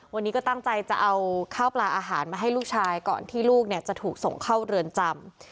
วันนี้ก็ตั้งใจจะเอาข้าวปลาอาหารมาให้ลูกชายก่อนที่ลูกเนี่ยจะถูกส่งเข้าเรือนจำ